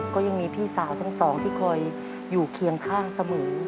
ก็ยังมีพี่สาวทั้งสองที่คอยอยู่เคียงข้างเสมอ